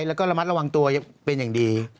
แล้วก็ระมัดระวังตัวเป็นอย่างดี